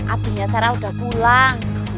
abinya sarah udah pulang